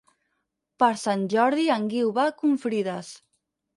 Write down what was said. Per Sant Jordi en Guiu va a Confrides.